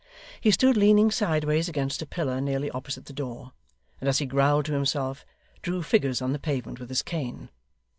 He stood leaning sideways against a pillar nearly opposite the door, and as he growled to himself, drew figures on the pavement with his cane.